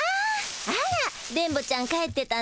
あら電ボちゃん帰ってたの？